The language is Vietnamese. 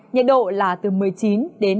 nhiệt độ là từ một mươi chín đến hai mươi chín độ